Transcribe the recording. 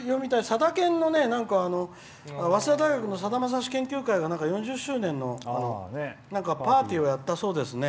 さだ研の早稲田大学のさだまさし研究会が４０周年のパーティーをやったそうですね。